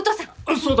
そうだな。